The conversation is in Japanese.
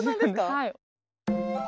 はい。